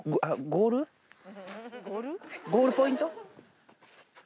ゴールポイント？